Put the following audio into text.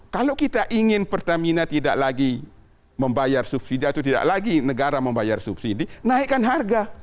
kalau kita ingin pertamina tidak lagi membayar subsidi atau tidak lagi negara membayar subsidi naikkan harga